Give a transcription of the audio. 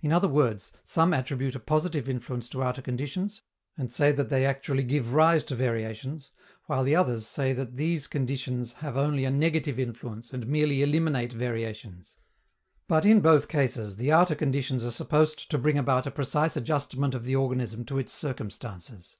In other words, some attribute a positive influence to outer conditions, and say that they actually give rise to variations, while the others say these conditions have only a negative influence and merely eliminate variations. But, in both cases, the outer conditions are supposed to bring about a precise adjustment of the organism to its circumstances.